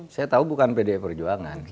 saya tahu bukan pdi perjuangan